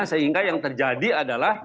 sehingga yang terjadi adalah